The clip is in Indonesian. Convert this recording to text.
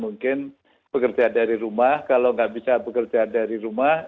mungkin bekerja dari rumah kalau nggak bisa bekerja dari rumah